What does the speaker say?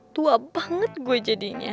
tua banget gue jadinya